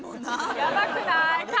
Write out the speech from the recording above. やばくない？感謝。